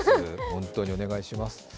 ホントにお願いします。